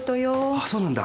ああそうなんだ。